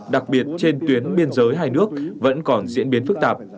đặc biệt trên tuyến biên giới hai nước vẫn còn diễn biến phức tạp